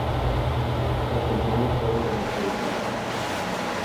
Las canciones fueron remasterizadas.